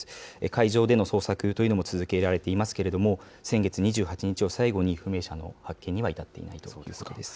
海上での捜索というのも続けられていますけれども、先月２８日を最後に、不明者の発見には至っていないということです。